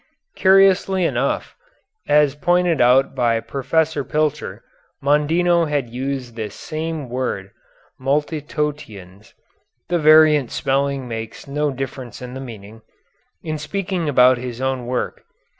Curiously enough, as pointed out by Professor Pilcher, Mondino had used this same word multitotiens (the variant spelling makes no difference in the meaning) in speaking about his own work.